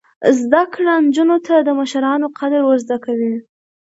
زده کړه نجونو ته د مشرانو قدر ور زده کوي.